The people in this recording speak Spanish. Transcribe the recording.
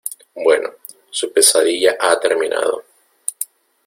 bueno, su pesadilla ha terminado ,